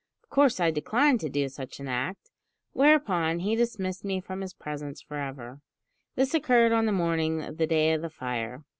Of course, I declined to do such an act, whereupon he dismissed me from his presence for ever. This occurred on the morning of the day of the fire.